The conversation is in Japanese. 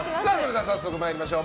早速参りましょう。